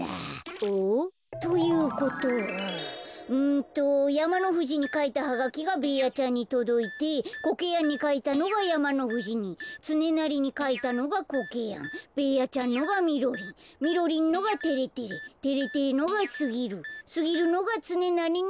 おっ？ということはんとやまのふじにかいたハガキがベーヤちゃんにとどいてコケヤンにかいたのがやまのふじにつねなりにかいたのがコケヤンベーヤちゃんのがみろりんみろりんのがてれてれてれてれのがすぎるすぎるのがつねなりにとどいちゃった。